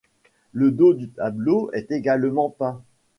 Le dos du tableau est également peint.